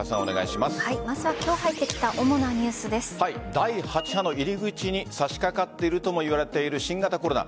まずは今日入ってきた第８波の入口に差し掛かっているともいわれている新型コロナ。